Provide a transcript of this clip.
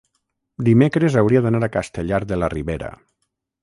dimecres hauria d'anar a Castellar de la Ribera.